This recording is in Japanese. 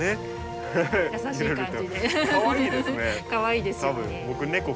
かわいいですよね。